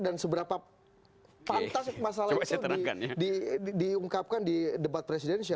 dan seberapa pantas masalah itu diungkapkan di debat presidensial